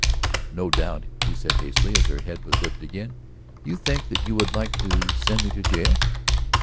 "No doubt," he said hastily, as her head was lifted again, "you think that you would like to send me to jail?"